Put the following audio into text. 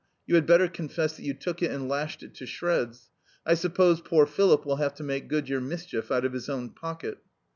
You had better confess that you took it and lashed it to shreds. I suppose poor Philip will have to make good your mischief out of his own pocket."